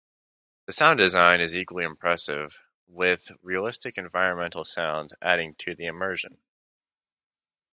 The sound design is equally impressive, with realistic environmental sounds adding to the immersion.